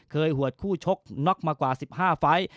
หวดคู่ชกน็อกมากว่า๑๕ไฟล์